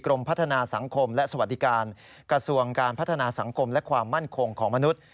พัฒนาสังคมและสวัสดิการกระทรวงการพัฒนาสังคมและความมั่นคงของมนุษย์